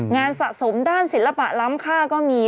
สะสมด้านศิลปะล้ำค่าก็มี